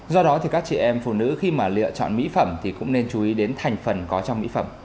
do đó thì các chị em phụ nữ khi mà lựa chọn mỹ phẩm thì cũng nên chú ý đến thành phần có trong mỹ phẩm